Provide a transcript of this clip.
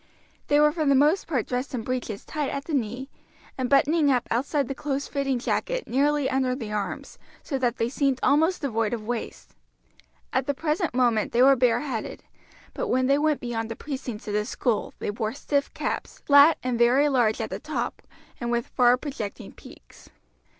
They were for the most part dressed in breeches tight at the knee, and buttoning up outside the close fitting jacket nearly under the arms, so that they seemed almost devoid of waist. At the present moment they were bareheaded; but when they went beyond the precincts of the school they wore stiff caps, flat and very large at the top, and with far projecting peaks.